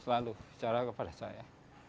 selalu bicara kepada saya